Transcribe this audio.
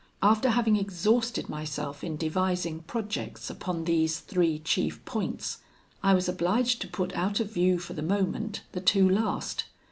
After having exhausted myself in devising projects upon these three chief points, I was obliged to put out of view for the moment the two last.